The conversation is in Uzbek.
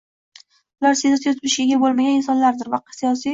Bular siyosiy o‘tmishga ega bo‘lmagan insonlardir va siyosiy